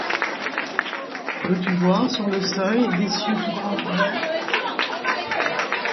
Veux-tu voir, sur le seuil des cieux tout grands ouverts